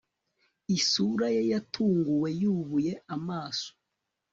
isura ye yatunguwe yubuye amaso